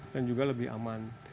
dan juga lebih aman